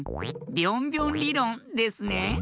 ビョンビョンりろんですね。